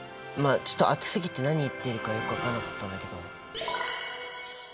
まあちょっと熱すぎて何言ってるかよく分かんなかったんだけど。